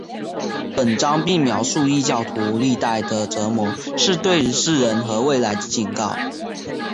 本章并描述异教徒历代的折磨是对世人和未来的警告。